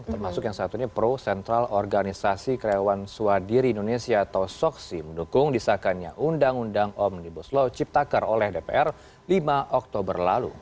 termasuk yang satunya pro sentral organisasi kerewan suwadiri indonesia atau socsi mendukung disakannya undang undang omnibus law cipta kerja oleh dpr lima oktober lalu